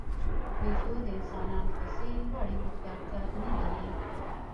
بیزو د انسانانو په څېر لوړې هوښیارتیا نه لري.